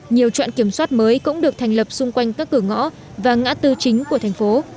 nhiều trọn kiểm soát mới cũng được thành lập xung quanh các cửa ngõ và ngã tư chính của thành phố